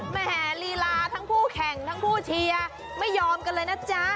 แหมลีลาทั้งผู้แข่งทั้งผู้เชียร์ไม่ยอมกันเลยนะจ๊ะ